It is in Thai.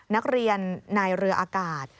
นักเรียนนายเรืออากาศ